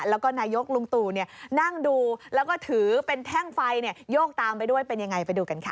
แล้วก็นายกลุงตู่นั่งดูแล้วก็ถือเป็นแท่งไฟโยกตามไปด้วยเป็นยังไงไปดูกันค่ะ